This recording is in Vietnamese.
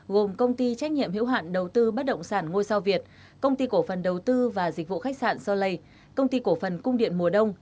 gồm công ty trách nhiệm hữu hạn đầu tư bất động sản ngôi sao việt công ty cổ phần đầu tư và dịch vụ khách sạn solay công ty cổ phần cung điện mùa đông